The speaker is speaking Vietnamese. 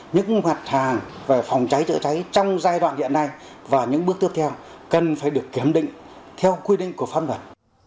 những mặt hàng về phòng cháy chữa cháy trong giai đoạn hiện nay và những bước tiếp theo cần phải được kiểm định theo quy định của pháp luật